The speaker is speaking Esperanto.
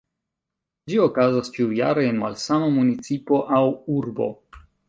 Ĝi okazas ĉiujare en malsama municipo aŭ urbo.